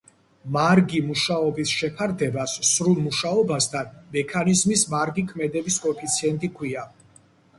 მარგი მუშაობის შეფარდებას სრულ მუშაობასთან მექანიზმის მარგი ქმედების კოეფიციენტი ჰქვია.